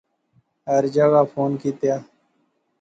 ہر جاغا فون کیتیا